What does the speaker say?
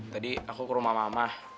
tadi aku ke rumah mama